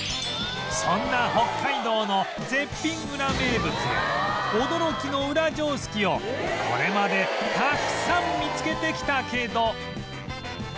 そんな北海道の絶品ウラ名物や驚きのウラ常識をこれまでたくさん見つけてきたけど